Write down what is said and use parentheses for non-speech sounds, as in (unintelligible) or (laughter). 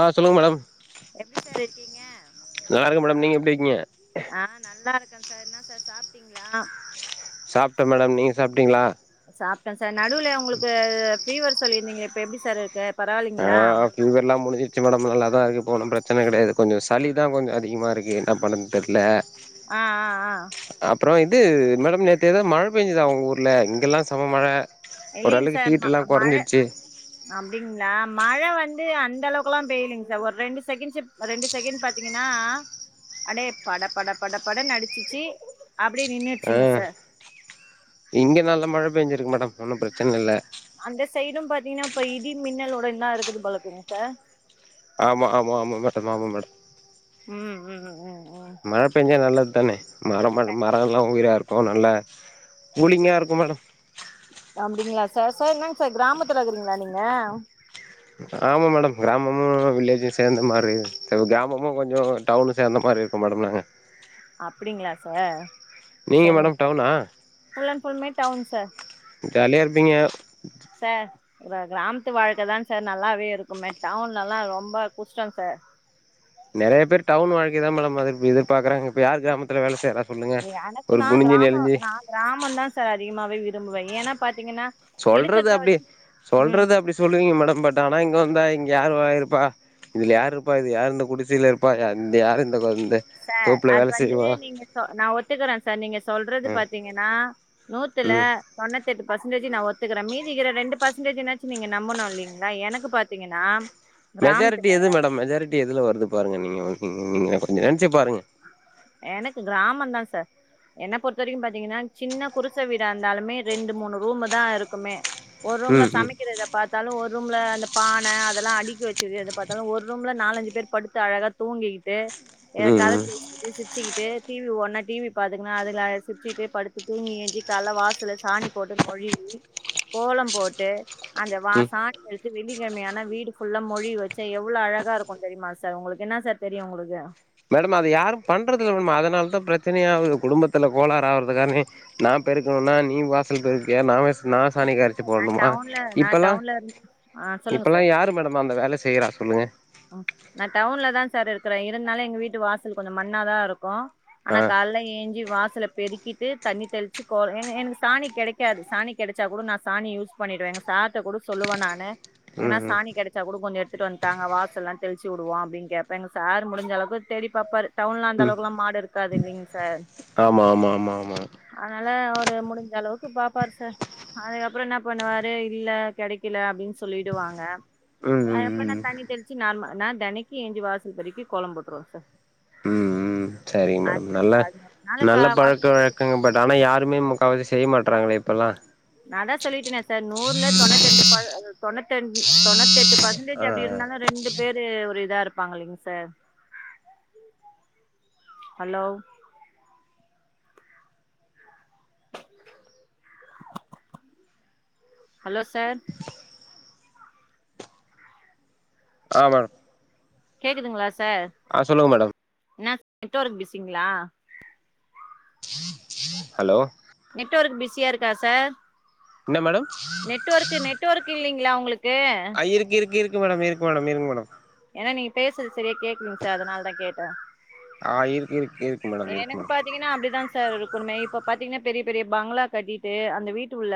ஆஐ சொல்லுங்க மேடம் எப்டி சார் இருக்கீங்க நல்லா இருக்கேன் மேடம் நீங்க எப்படி இருக்கீங்க ஆ நல்லா இருக்கன் சார் என்ன சார் சாப்பிட்டீங்ளா சாப்டீங்ளா சாப்ட்டே நடுவுல உங்களுக்கு ஃபீவர்ஸ் சொல்லிருந்தீங்க இப்ப எப்படி சார் இருக்கு ஆ பரவாயில்லைங்களா ஃபீவர் எல்லாம் முடிஞ்சிருச்சு மேடம் நல்லாதா இரு ஒன்னும் பிரச்சன கெடையாது கொஞ்சோ சளிதா கொஞ்சோ அதிகமா இருக்கு என்ன பண்ணனு தெர்ல ஆ ஆ ஆ அப்றோ இது மேடம் நேத்து எதாது மழ பெஞ்சிதா உங்க ஊர்ல இங்கல்லா செம மழ இல்லைங்க ஓரளவுக்கு சார் ஹீட் எல்லா மழை கொறஞ்சிருச்சு அப்டிங்ளா மழ வந்து அந்தளவுக்லா பேய்லிங் சார் ஒரு ரெண்டு செகண்ட்டு ரெண்டு செகண்ட் பாத்தீங்கன்னா அடே பட பட பட படன் அடிச்சிச்சி அப்டி ஆ நின்னுட்ச்சீங்க சார் இங்க நல்ல மழ பெஞ்சிருக்கு மேடம் ஒன்னு ப்ரச்சன இல்ல அந்த சைடு பாத்தீங்னா இப்ப இடி மின்னலளோட தா இருக்குது போலக்குங்சார் ஆமா ஆமா ஆமா மேடம் ஆமா மேடம் ம் ம் ம் ம். மழ பெஞ்சா நல்லத் தனே மர மர மரங்கல்லா உயிராருக் போ நல்ல கூலிங்கா இருக்கு மேடம் திங்ளா சார் சார் என்ங் சார் க்ராமத்துல இருக்கீங்ளா நீங்க ஆமா மேடம் கிராமமு வில்லேஜு சேந்த மாரி கிராமமு கொஞ்ச டவுனு சேந்த மாரி இருக்கு மேடம் நாங்க அப்புடிங்ளா சார் நீங்க மேடம் டவுனா ஃபுள்மே டவுன் சார் ஜாலியா இர்ப்பீங்க சார் ஒரு க்ராமத்து வாழ்க்க தா சார் நல்லாவே இருக்குமே டவுன்ல எல்லா ரொம்ப குஷ்டோ சார் நெறைய பேர் டவுன் வாழ்க்கைய தா மேடம் எதிர்பாக்குறாங்க இப்ப யார் கிராமத்துல வேல செய்றா சொல்லுங்க எனக்கு ஒரு நான் குனிஞ்சி கிராமம் நெளிஞ்சு ரும்புவ ஏன்னா பர் சொல்றது அப்டி ம் சொல்றது அப்டி சொல்லுவீங்க மேடம் பட் ஆனா இங்க வந்தா இங் யார்ரு வா இருப்பா இதுல யாருப்பா இது யார்ரு இந்த குடிசைல இருப்பா யார்ரு இந்த கொ சார் அது வந்து நீங்க சொ நா ஒத்துக்குற சார் நீங்க சொல்றது ம் பாத்தீங்கனா நூத்துல ம் தொண்ணூத்தெட்டு பர்சன்டேஜ் நா ஒத் துக்குற மீதிக்ற ரெண்டு பர்சன்டேஜ்னாச்சு நீங்க நம்பனு இல்லீங்களா எனக்கு பாத்தீங்கனா மெஜாரிட்டி எது மேடம் மெஜாரிட்டி எதுல வருது பாருங்க நீங்க நீங்ளே (unintelligible) எனக்கு க்ராமந்தா ச என்ன பொறுத்த வரிக்கு பாத்தீங்கனா சின்ன குருச வீடா இருந்தாலுமே ரெண்டு மூணு ரூமு தா இருக்குமே ஒரு ரூம்ல ம் சமக்கிறத பாத்தாலு ஒர் ரூம்ல அந்த பான அதல்லா அடிக்கி வச்சுது அத பாத்தாலு ஒரு ரூம்ல நாலஞ்சு பேர் படுத்து அழகா தூங்கிக்கிட்டு ஏ ம் ம் கத ம் பேசிகிட்டு சிரிச்சிகிட்டு டி வி ஓடுனா டி வி பாத்துகினு அதுல சிரிச்சிட்டு படுத்து தூங்கி ஏஞ்சி கால்ல வாசல சாணி போட்டு மொழுவி கோலம் போட்டு அந்த வாச ம் சாணி வெள்ளிக்கழமையானா வீடு ஃபுல்லா மொழுகி வச்சா எவ்ளோ அழகா இருக்குந் தெரியுமா சார் உங்களுக்கு என்ன சார் தெரியு உங்குளுக்கு மேடம் அது யாரு பண்றதுல்ல மேடம் அதனால தா பிரச்சனையாவுது குடும்பத்துல கோளாறு ஆவறது காரணமே நா பெருக்கணுனா நீ வாசல் பெருக்கு நா வேஸ் நா சாணி கரச்சு நா போடணுமா டவுன்ல நா இப்பல்லா டவுன்ல இரு ஆ சொல்லுங்க இப்பல்லா யாரு மேடம் அந்த வேல செய் செய்யறா சொல்லுங்க ம் நா டவுன்ல தா சார் இருக்கற இருந்தாலு எங்க வீட்டு வாசல் கொஞ்சோ மண்ணாதா இருக்கு ஆனா ஆ கால்ல ஏஞ்சி வாச சல பெருக்கிட்டு தண்ணி தெளிச்சி கோ எ எனக்கு சாணி கெடைக்காது சாணி கெடச்சா கூட நா சாணி யூஸ் பண்ணிடுவ எங்க சார்ட்ட கூட சொல்லுவ நானு எங்கன்னா ம் ம் சாணி கெடச்சா கூட கொஞ்சொ எடுத்துட்டு வந்து தாங்க வாச தெளிச்சு உடுவோ அப்டின் கேப்ப எங்க சார் முடிஞ்சளவுக்கு தேடி பாப்பாரு டவுன்ல அந்த ம் அளவுக்கு எல்லா மாடு இருக்காது இல்லைங் சார் ஆமா ஆமா ஆமா ஆமா அதா அதா அவுரு முடிஞ்ச அளவுக்கு பாப்பாரு சார் அதுக்கப்பறோ என்னா பண்ணுவாரு இல்ல கெடைக்கல அப்டின்னு சொல் சொல்லிடுவாங்க ம் அதுகப்ப நா ம் ம் தண்ணி தெளி அம்மா நா தெனைக்கு ஏஞ்சி வாசல் பெருக்கி கோலம் போட்ருவ சார் ம் ம் சரிங்க மேடம் அது நல்ல அதனால கா நல்ல பழக்க வழக்கங்க பட் ஆனா யாருமே முக்காவாசி செய்ய மாட் நாந்தா சொல்லிட்டனே சார் நூறுல தொண்ணுத்ரெண்டு ப தொண்ணத்தி ரெ தொண்ணத்தி எட்டு ஆ பர்சன்டேஜ் அப்டி ஆ இருந்தாலு ரெண்டு பேரு ஒரு இதா இருப்பாங்க இல்லைங் சார் ஹலோ (inaudible) ஹலோ சார் ஆ மேடம் கேக்குதுங்களா ச சார் ஆ சொல்லுங்க மேடம் எனா நெட் ஒர்க் பிசிங்ளா ஹலோ நெட்ஒர்க் பிஸியா இருக்கா சார் என்ன மேடம் நெட்வொர்க்கு நெட்வொர்க்கு இல்லைங்ளா உங்குளுக்கு ஆ இருக்கு இருக்கு இருக்கு மேடம் இருக்கு மேடம் இருக்கு மேடம் நீங்க பேசறது சரியா கேக்கலிங்க சார் அதனால தா கேட்டே ஆ இருக்கு இருக்கு இருக்கு மேடம் இருக்கு எனக்கு மேடம் பாத்திங்கன்னா அப்பிடிதா சார் இரு ம இப்ப பாத்தீங்கன்னா பெரிய பெரிய பங்களா கட்டிட்டு அந்த வீட்டு உள்ள